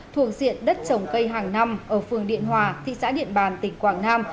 thuộc diện đất trồng cây hàng năm ở phường điện hòa thị xã điện bàn tỉnh quảng nam